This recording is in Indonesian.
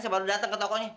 saya baru datang ke tokonya